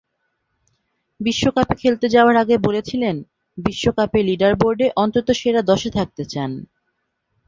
বিশ্বকাপে খেলতে যাওয়ার আগে বলেছিলেন, বিশ্বকাপের লিডারবোর্ডে অন্তত সেরা দশে থাকতে চান।